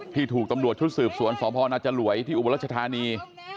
ที่ถูกตำรวจชุดสืบสวนสวพรนัจจรวยที่อุบัลลัชธานี